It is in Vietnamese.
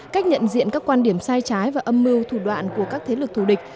cách nhận diện các quan điểm sai trái và âm mưu thủ đoạn của các thế lực thù địch